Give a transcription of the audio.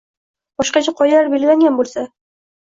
boshqacha qoidalar belgilangan bo‘lsa